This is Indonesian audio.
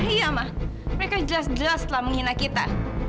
iya mak mereka jelas jelas setelah menghina kita